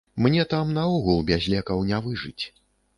Мне там наогул без лекаў не выжыць.